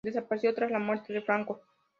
Desapareció tras la muerte de Franco.